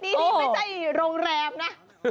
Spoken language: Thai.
นี่ไม่ใช่โรงแรมนะ